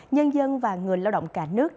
nhân dân và người lao động cả nước